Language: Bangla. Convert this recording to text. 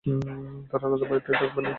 তারা আলাদা বাড়িতে থাকবে, তাইনা।